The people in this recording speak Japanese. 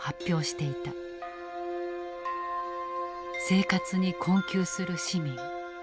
生活に困窮する市民。